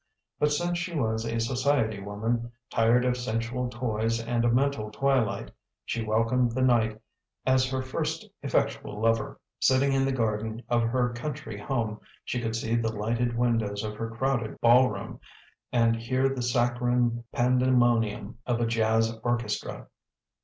But since she was a society woman, tired of sensual toys and a mental twilight, she welcomed the night as her first effectual lover. Sitting in the garden of her country home she could see the lighted windows of her crowded ballroom, and hear the saccharine pan demonium of a jazz orchestra.